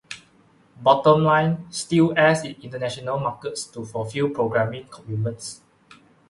"Bottom Line" still airs in international markets to fulfill programming commitments.